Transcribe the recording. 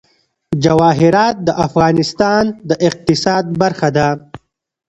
جواهرات د افغانستان د اقتصاد برخه ده.